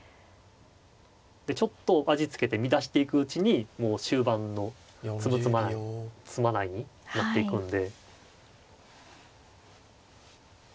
ちょっと味付けて乱していくうちにもう終盤の詰む詰まない詰まないになっていくんで。